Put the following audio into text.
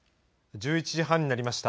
１１時半になりました。